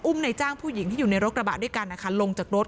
ในจ้างผู้หญิงที่อยู่ในรถกระบะด้วยกันนะคะลงจากรถ